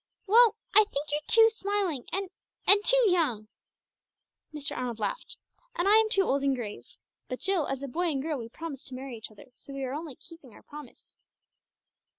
"Well, I think you're too smiling and and too young." Mr. Arnold laughed. "And I am too old and grave. But, Jill, as a boy and girl we promised to marry each other, so we are only keeping our promise."